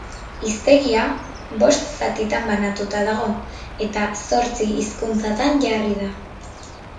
Hiztegia bost zatitan banatuta dago, eta zortzi hizkuntzatan jarri da.